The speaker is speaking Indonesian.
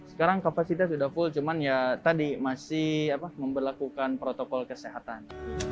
sekarang kapasitas sudah full cuman ya tadi masih memperlakukan protokol kesehatan